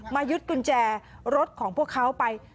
ยึดกุญแจรถของพวกเขาไป